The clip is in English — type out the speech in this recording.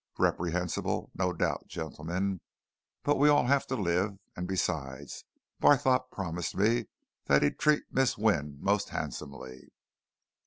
Reprehensible, no doubt, gentlemen, but we all have to live, and besides, Barthorpe promised me that he'd treat Miss Wynne most handsomely.